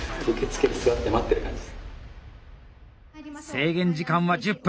制限時間は１０分。